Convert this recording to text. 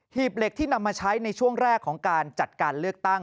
ีบเหล็กที่นำมาใช้ในช่วงแรกของการจัดการเลือกตั้ง